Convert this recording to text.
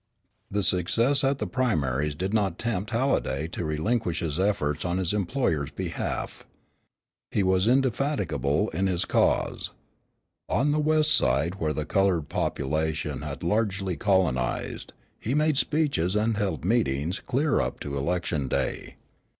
The success at the primaries did not tempt Halliday to relinquish his efforts on his employer's behalf. He was indefatigable in his cause. On the west side where the colored population had largely colonized, he made speeches and held meetings clear up to election day.